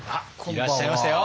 いらっしゃいましたよ。